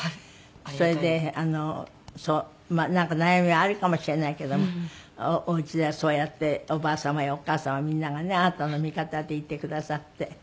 それでなんか悩みはあるかもしれないけどもお家ではそうやっておばあ様やお母様みんながねあなたの味方でいてくださって。